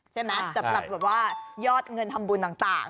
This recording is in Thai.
ใช่ไหมจะปรากฏว่ายอดเงินทำบุญต่าง